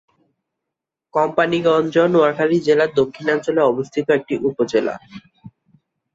কোম্পানীগঞ্জ নোয়াখালী জেলার দক্ষিণাঞ্চলে অবস্থিত একটি উপজেলা।